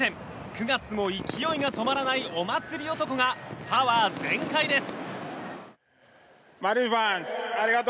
９月も勢いが止まらないお祭り男がパワー全開です。